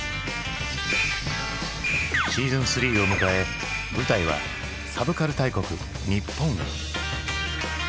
シーズン３を迎え舞台はサブカル大国日本へ。